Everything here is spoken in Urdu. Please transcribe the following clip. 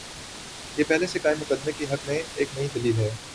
یہ پہلے سے قائم مقدمے کے حق میں ایک نئی دلیل ہے۔